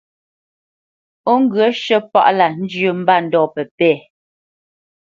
Ó ŋgyə̂ shə̂ páʼ lâ njyə́ mbândɔ̂ pə́pɛ̂.